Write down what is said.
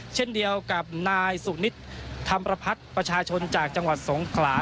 เช่นเดียวกับนายสุนิทธรรมประพัฒน์ประชาชนจากจังหวัดสงขลา